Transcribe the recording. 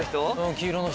黄色の人。